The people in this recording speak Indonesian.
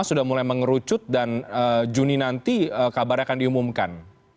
sudah mulai mengerucut dan juni nanti kabarnya akan diumumkan